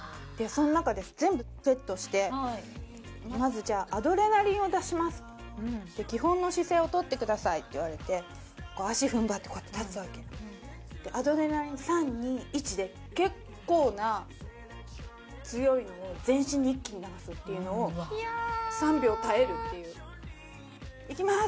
その中で全部セットしてまずじゃあ基本の姿勢を取ってくださいって言われて足踏ん張ってこうやって立つわけアドレナリン３２１で結構な強いのを全身に一気に流すっていうのを３秒耐えるっていう「いきます」